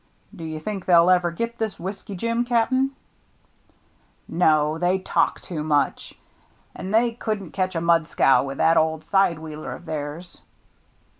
Do you think they'll ever get this Whiskey Jim, Cap'n ?"" No, they talk too much. And they couldn't catch a mud scow with that old side wheeler of theirs."